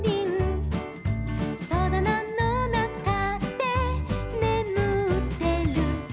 「とだなのなかでねむってる」